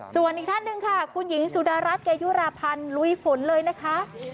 ส่วนอีกท่านหนึ่งค่ะคุณหญิงสุดารัฐเกยุราพันธ์ลุยฝนเลยนะคะ